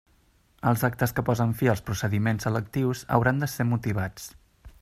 Els actes que posen fi als procediments selectius hauran de ser motivats.